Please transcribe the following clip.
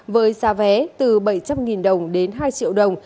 với giá vé từ bảy trăm linh đồng đến hai triệu đồng